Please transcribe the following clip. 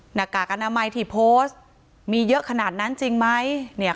หน้ากากอนามัยที่โพสต์มีเยอะขนาดนั้นจริงไหม